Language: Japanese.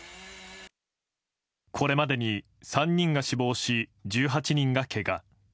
これまでに３人が死亡し１８人がけが。